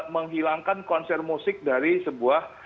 menghilangkan konser musik dari sebuah